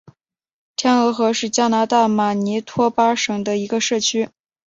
天鹅河是加拿大马尼托巴省的一个社区。